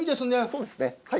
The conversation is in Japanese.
そうですねはい。